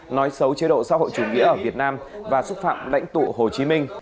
nói xấu chế độ xã hội chủ nghĩa ở việt nam và xúc phạm lãnh tụ hồ chí minh